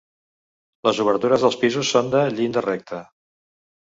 Les obertures dels pisos són de llinda recta.